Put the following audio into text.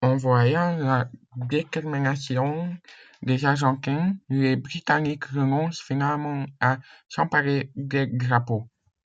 En voyant la détermination des Argentins, les Britanniques renoncent finalement à s'emparer des drapeaux.